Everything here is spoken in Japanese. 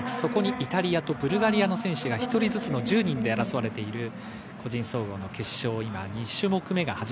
イタリアとブルガリアの選手が１人ずつの１０人で争われている個人総合の決勝。